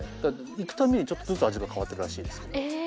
行く度にちょっとずつ味が変わってるらしいですけど。